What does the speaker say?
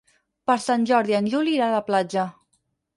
Per Sant Jordi en Juli irà a la platja.